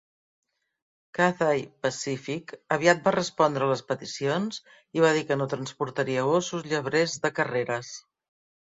Cathay Pacific aviat va respondre a les peticions i va dir que no transportaria gossos llebrers de carreres.